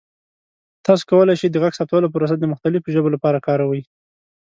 تاسو کولی شئ د غږ ثبتولو پروسه د مختلفو ژبو لپاره کاروئ.